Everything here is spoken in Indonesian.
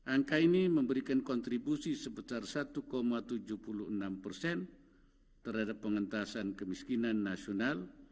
angka ini memberikan kontribusi sebesar satu tujuh puluh enam persen terhadap pengentasan kemiskinan nasional